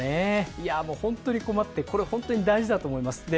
いやもう本当に困ってこれ本当に大事だと思います。